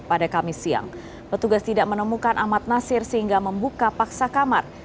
pada kamis siang petugas tidak menemukan ahmad nasir sehingga membuka paksa kamar